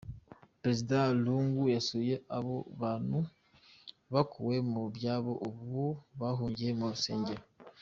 Perezida Lungu yasuye abo bantu bakuwe mu byabo ubu bahungiye mu rusengero.